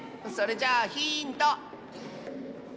それじゃあヒント！